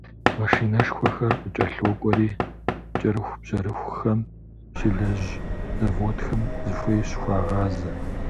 Машинэшхуэхэр къыкӏэлъокӏуэри, кӏэрыхубжьэрыхухэм щелэжьыж заводхэм зыхуей щыхуагъазэ.